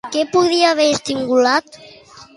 Què podria haver estimulat?